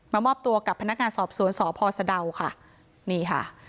มอบตัวกับพนักงานสอบสวนสพสะดาวค่ะนี่ค่ะ